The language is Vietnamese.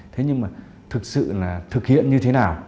thế nhưng mà thực sự là thực hiện như thế nào